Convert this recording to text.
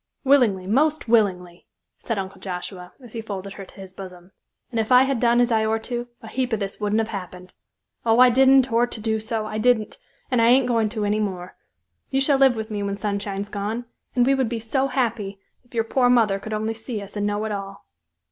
"Willin'ly, most willin'ly," said Uncle Joshua, as he folded her to his bosom, "and if I had done as I or'to, a heap of this wouldn't have happened. Oh, I didn't or'to do so, I didn't; and I ain't goin' to any more. You shall live with me when Sunshine's gone; and we would be so happy, if your poor mother could only see us and know it all."